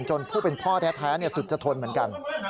ผู้เป็นพ่อแท้สุดจะทนเหมือนกัน